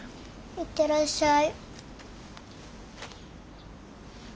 行ってらっしゃい。